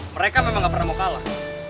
mereka memang gak pernah mau kalah